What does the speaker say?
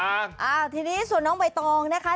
อ่าทีนี้ส่วนน้องใบตองนะคะ